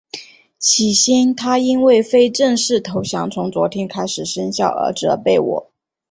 起先他因为非正式投降从昨天开始生效而责备我。